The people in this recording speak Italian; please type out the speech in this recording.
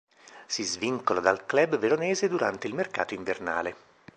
Si svincola dal club veronese durante il mercato invernale.